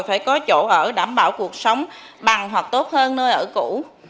phải có chỗ ở đảm bảo cuộc sống bằng hoặc tốt hơn nơi ở cũ